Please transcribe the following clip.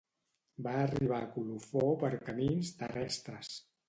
Va arribar a Colofó per camins terrestres.